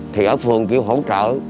thì ở phường kêu hỗ trợ